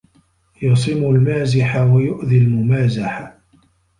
يَصِمُ الْمَازِحَ وَيُؤْذِي الْمُمَازَحَ